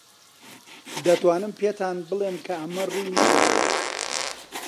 دەتوانم پێتان بڵێم کە ئەمە ڕووی نەداوە.